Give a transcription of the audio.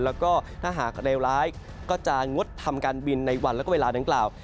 แล้วก็ถ้าหากเลวร้ายก็จะงดทำการบินในวันแล้วก็เวลาดังกล่าว